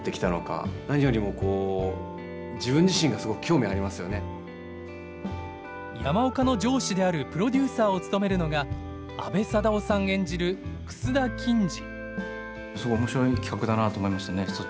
演じるのは山岡の上司であるプロデューサーを務めるのが阿部サダヲさん演じる楠田欽治。